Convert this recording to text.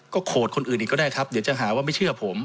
โขดคนอื่นอีกก็ได้ครับเดี๋ยวจะหาว่าไม่เชื่อผม